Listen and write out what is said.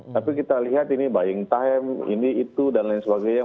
tapi kita lihat ini buying time ini itu dan lain sebagainya